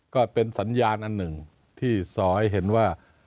ก็เป็นสัญญาณอันหนึ่งที่สอให้เห็นว่า